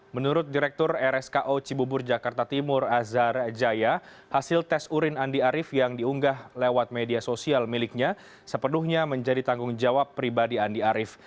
menurut direktur rsko cibubur jakarta timur azhar jaya hasil tes urin andi arief yang diunggah lewat media sosial miliknya sepenuhnya menjadi tanggung jawab pribadi andi arief